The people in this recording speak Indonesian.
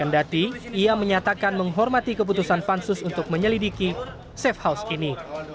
dan menghormati keputusan pansus untuk menyelidiki safe house ini